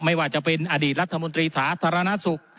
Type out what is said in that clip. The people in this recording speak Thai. ไม่ว่าจะเป็นอดีตรัฐมนตรีสาธารณสุข